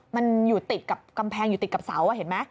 มันอยู่ติดกับกำแพงอยู่ติดกับเสาเห็นไหม